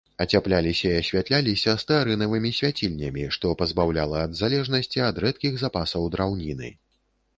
Ацяпляліся і асвятляліся стэарынавымі свяцільнямі, што пазбаўляла ад залежнасці ад рэдкіх запасаў драўніны.